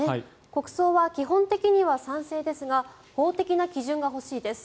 国葬は基本的には賛成ですが法的な基準が欲しいです。